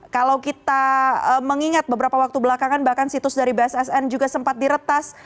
kalau kita mengingat beberapa waktu belakangan bahkan situs dari bassn juga sempat diretas